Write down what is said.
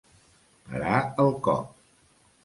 Parar el cop.